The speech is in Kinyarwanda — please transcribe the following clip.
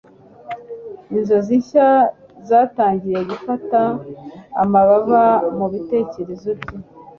Inzozi nshya zatangiye gufata amababa mubitekerezo bye